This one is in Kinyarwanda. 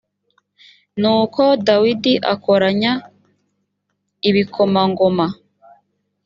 nuko dawidi akoranya ibikomangomar